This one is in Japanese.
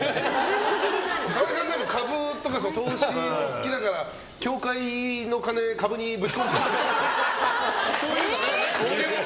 川合さん株とか投資がお好きだから協会の金を株にぶち込んだりとか。